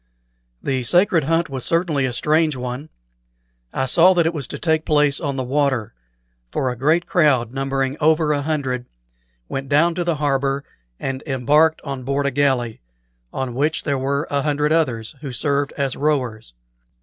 The sacred hunt was certainly a strange one. I saw that it was to take place on the water; for a great crowd, numbering over a hundred, went down to the harbor and embarked on board a galley, on which there were a hundred others, who served as rowers.